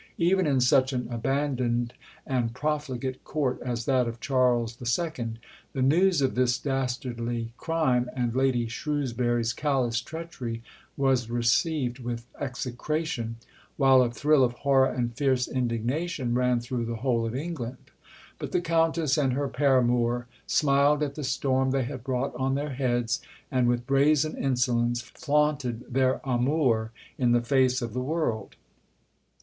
Even in such an abandoned and profligate Court as that of Charles II., the news of this dastardly crime and Lady Shrewsbury's callous treachery was received with execration, while a thrill of horror and fierce indignation ran through the whole of England. But the Countess and her paramour smiled at the storm they had brought on their heads, and with brazen insolence flaunted their amour in the face of the world.